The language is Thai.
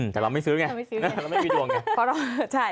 แต่เราไม่ซื้อแงเดี๋ยวช่าย